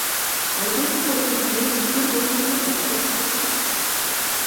Баяжуулсан гурилыг жирийн нэгдүгээр гурилын үнээр борлуулж байгаа билээ.